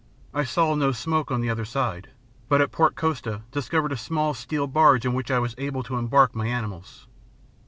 I saw no smoke on the other side, but at Port Costa discovered a small steel barge on which I was able to embark my animals.